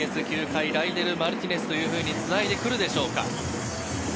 ９回、ライデル・マルティネスというふうにつないでくるでしょうか。